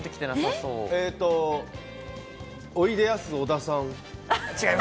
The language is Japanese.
おいでやす小田さん。